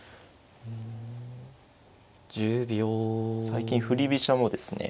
最近振り飛車もですね